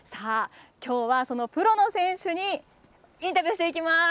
今日は、そのプロの選手にインタビューしていきます。